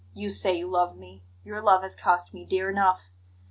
You say you love me, your love has cost me dear enough!